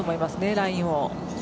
ラインを。